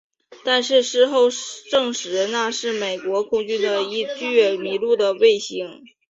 但是事后证实那是美国空军的一具迷路的卫星。